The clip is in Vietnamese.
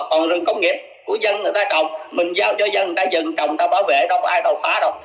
còn rừng công nghiệp của dân người ta trồng mình giao cho dân người ta dừng trồng người ta bảo vệ đâu có ai đầu phá đâu